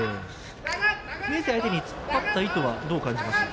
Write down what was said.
明生相手に突っ張った意図はどう感じますか。